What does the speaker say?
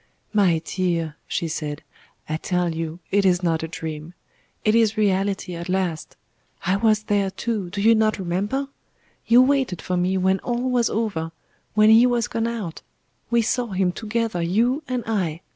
"My dear," she said, "I tell you it is not a dream. It is reality at last. I was there too do you not remember? You waited for me when all was over when He was gone out we saw Him together, you and I.